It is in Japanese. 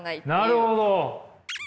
なるほど。